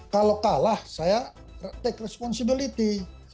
kalau kalah saya take responsibility